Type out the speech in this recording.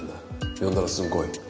呼んだらすぐ来い。